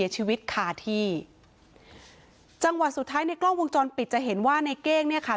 จังหวัดสุดท้ายในกล้องวงจรปิดจะเห็นว่าในเกรงเนี่ยค่ะ